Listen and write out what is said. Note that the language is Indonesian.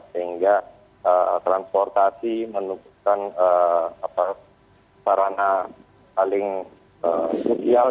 sehingga transportasi menemukan parana paling kudial